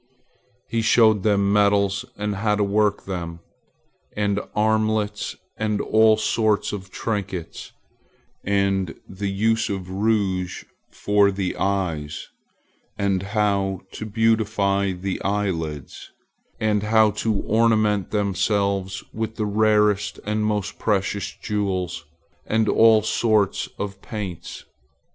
He showed them metals and how to work them, and armlets and all sorts of trinkets, and the use of rouge for the eyes, and how to beautify the eyelids, and how to ornament themselves with the rarest and most precious jewels and all sorts of paints.